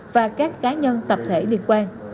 và các cá nhân tập thể liên quan